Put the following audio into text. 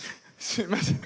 すいません。